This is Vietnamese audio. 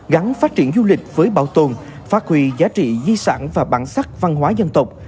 gắn phát triển du lịch với bảo tồn phát huy giá trị di sản và bản sắc văn hóa dân tộc